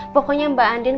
pokoknya mbak andin